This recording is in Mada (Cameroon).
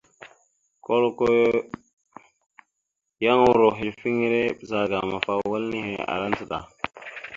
Koləko yan uro ehelefiŋere ɓəzagaam afa wal nehe ara ndzəɗa.